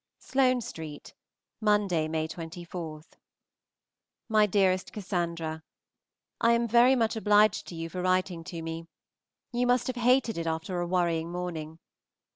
SLOANE STREET, Monday (May 24). MY DEAREST CASSANDRA, I am very much obliged to you for writing to me. You must have hated it after a worrying morning.